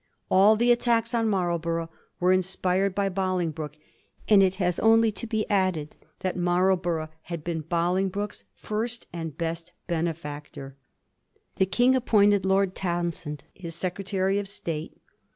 All the attacks on Marlborough were inspired by Bolingbroke, and it has only to be added that Marl borough had been Bolingbroke's first and best benefactor. The King appointed Lord Townshend his Secre tary of State.